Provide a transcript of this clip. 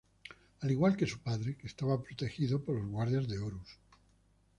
Al igual que su padre, que estaba protegido por los guardias de Horus.